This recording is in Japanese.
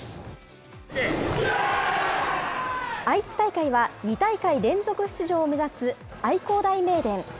愛知大会は、２大会連続出場を目指す愛工大名電。